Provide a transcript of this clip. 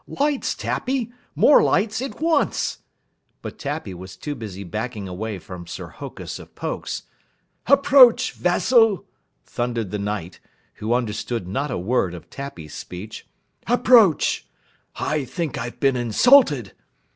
"Lights, Tappy! More lights, at once!" But Tappy was too busy backing away from Sir Hokus of Pokes. "Approach, vassal!" thundered the Knight, who under stood not a word of Tappy's speech. "Approach! I think I've been insulted!"